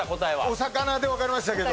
お魚でわかりましたけど。